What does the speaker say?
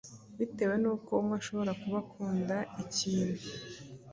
bitewe nuko umwe ashobora kuba akunda ikintu